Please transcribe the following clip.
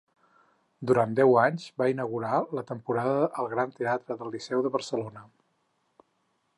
Durant deu anys, va inaugurar la temporada al Gran Teatre del Liceu de Barcelona.